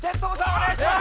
おねがいします！